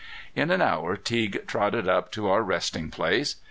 In an hour Teague trotted up to our resting place.